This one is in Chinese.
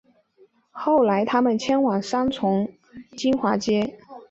后来他们迁往三重金华街